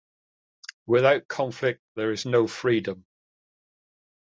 Without conflict there is no freedom.